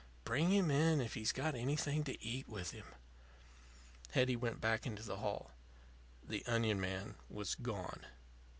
Bring him in if he's got anything to eat with him." Hetty went back into the hall. The onion man was gone.